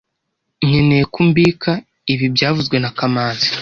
Nkeneye ko umbika ibi byavuzwe na kamanzi